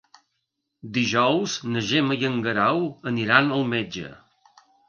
Dijous na Gemma i en Guerau aniran al metge.